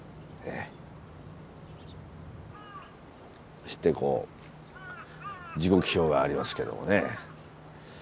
そしてこう時刻表がありますけどもね